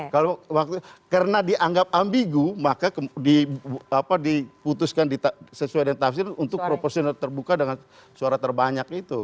kalau waktu itu karena dianggap ambigu maka diputuskan sesuai dengan tafsir untuk proporsional terbuka dengan suara terbanyak itu